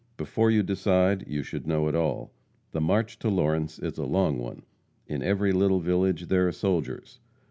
Before you decide, you should know it all. The march to Lawrence is a long one; in every little village there are soldiers.